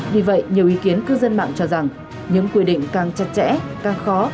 vì vậy nhiều ý kiến cư dân mạng cho rằng những quy định càng chặt chẽ càng khó